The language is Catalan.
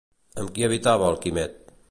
Amb qui habitava el Quimet?